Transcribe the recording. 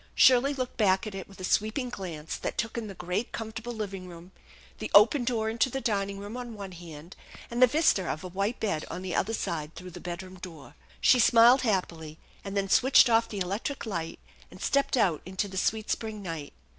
Shirley looked back at it with a sweeping glance that took in the great, com fortable living room, the open door into the dining room on one hand and the vista of a white bed on the other side through the bedroom door. She smiled happily, and then switched off the electric light, and stepped out into the sweet spring night.